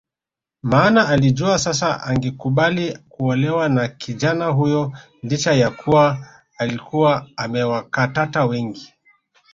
Maana alijua sasa angekubali kuolewa na kijana huyo licha ya kuwa alikuwa amewakatata wengi